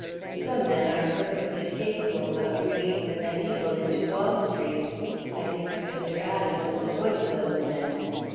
"Some men are perfectly capable of bringing the mediæval into Wall Street. I think Mr. Adams was one of those men.